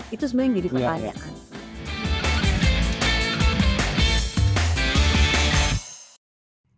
itu sebenarnya yang jadi pertanyaan